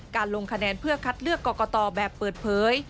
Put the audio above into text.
ลงคะแนนเพื่อคัดเลือกกรกตแบบเปิดเผย